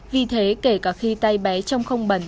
vì thế kể cả khi tay bé trong không bẩn